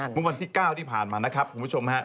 เมื่อวันที่๙ที่ผ่านมานะครับคุณผู้ชมฮะ